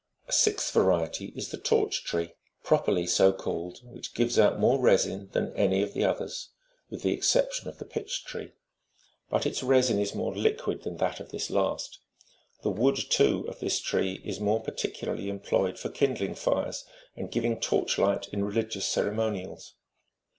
A sixth variety is the torch tree,20 properly so called, which gives out more resin than any of the others, with the exception of the pitch tree ; but its resin is more liquid than that of this last. The wood, too, of this tree is more particu larly employed for kindling fires and giving torch light in religious ceremonials.